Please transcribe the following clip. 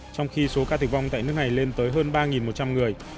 trong khi số ca tử vong tại nước này lên tới hơn ba một trăm linh người